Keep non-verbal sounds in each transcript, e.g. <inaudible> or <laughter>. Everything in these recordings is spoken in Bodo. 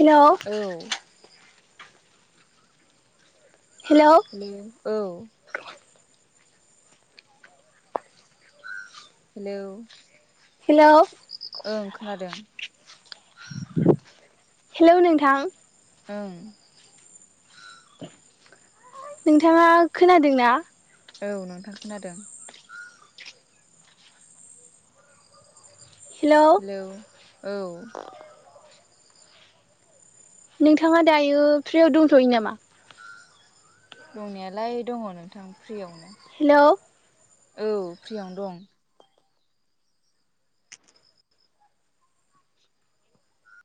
हेल' औ हेलौ हेल' हेल' औ हेलौ हेल' ओं खोनादों हेलौ नोंथां ओं नोंथाङा खोनादोंना औ नोंथां खोनादों। हेल' हेल' औ नोंथाङा दायो फ्रियाव दोंथ'यो नामा? दंनायालाय दङ नोंथां फ्रियावनो। हेलौ औ फ्रियावनो दं।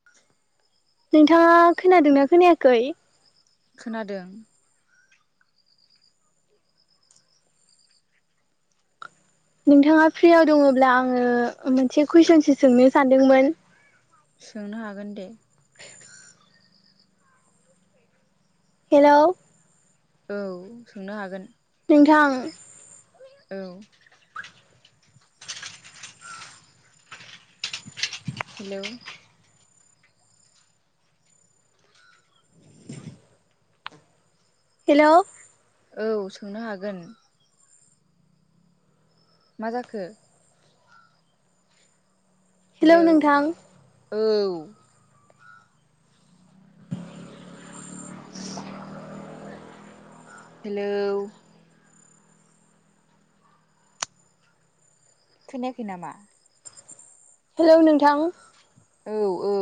<inaudible> नोंथाङा खोनादोंना खोनायाखै? खोनादों। नोंथाङा फ्रियाव दङब्ला आङो मोनसे कुइसनसो सोंनो सानदोंमोन। सोंनो हागोन दे। हेलौ? औ सोंनो हागोन। नोंथां? औ हेलौ हेल'? औ सोंनो हागोन। मा जाखो? हेलौ नोंथां औ। हेलौ? खोनायाखै नामा? हेलौ नोंथां? औ औ।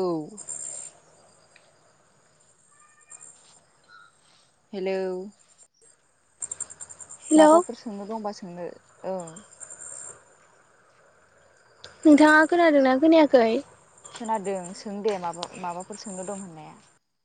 हेलौ? हेल' माबाफोर सोंनो दंबा सोंनो अ नोंथाङा खोनादोंना खोनायाखै? खोनादों सों दे माबा माबाफोर सोंनो दं होननाया।